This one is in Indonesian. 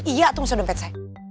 iya tuh nggak usah dompet saya